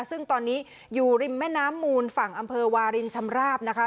ซึ่งตอนนี้อยู่ริมแม่น้ำมูลฝั่งอำเภอวารินชำราบนะคะ